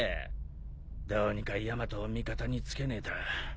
どうにかヤマトを味方につけねえと。